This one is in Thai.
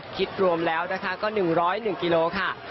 คิดรวมแล้วนะคะก็๑๐๑กิโลค่ะ